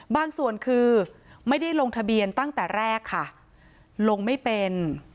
บางส่วนคือไม่ได้ลงทะเบียนตั้งแต่แรกค่ะลงไม่เป็น